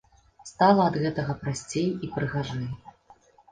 Стала ад гэтага прасцей і прыгажэй.